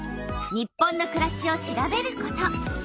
「日本のくらし」を調べること。